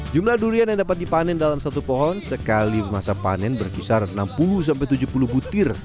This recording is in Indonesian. jumlah durian yang dapat dipanen dalam satu pohon sekali masa panen berkisar enam puluh tujuh puluh butir